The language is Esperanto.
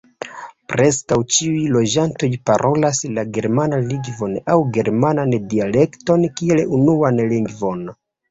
Preskaŭ ĉiuj loĝantoj parolas la germanan lingvon aŭ germanan dialekton kiel unuan lingvon.